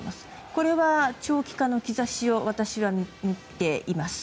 これは長期化の兆しを私は見ています。